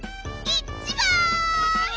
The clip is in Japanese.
いっちばん！